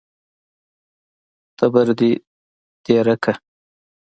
تبر دې تېره کړه!